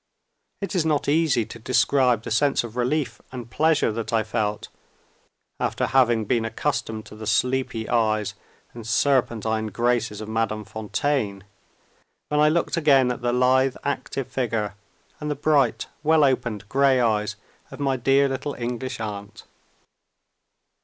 It is not easy to describe the sense of relief and pleasure that I felt after having been accustomed to the sleepy eyes and serpentine graces of Madame Fontaine when I looked again at the lithe active figure and the bright well opened gray eyes of my dear little English aunt.